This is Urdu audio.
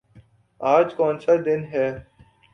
آج کونسا دن ہے؟